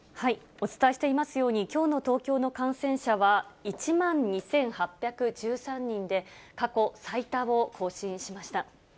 お伝えしていますように、きょうの東京の感染者は１万２８１３人で、過去最多を更新しました。